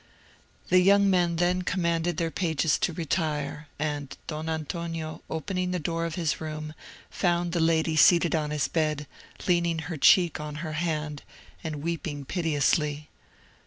The young men then commanded their pages to retire, and Don Antonio, opening the door of his room, found the lady seated on his bed, leaning her cheek on her hand, and weeping piteously.